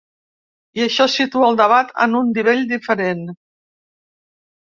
I això situa el debat en un nivell diferent.